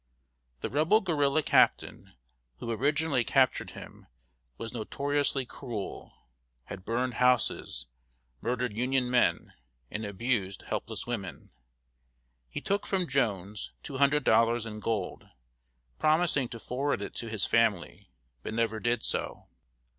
] The Rebel guerrilla captain who originally captured him was notoriously cruel, had burned houses, murdered Union men, and abused helpless women. He took from Jones two hundred dollars in gold, promising to forward it to his family, but never did so.